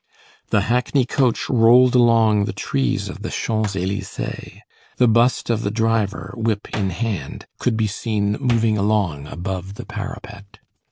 The hackney coach rolled along the trees of the Champs Élysées. The bust of the driver, whip in hand, could be seen moving along above the parapet.